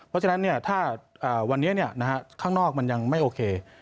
เพราะฉะนั้นถ้าวันนี้ข้างนอกมันยังไม่โอเค